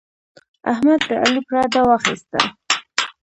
احمد د علي پرده واخيسته.